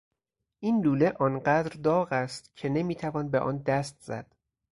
این لوله آنقدر داغ است که نمیتوان به آن دست زد.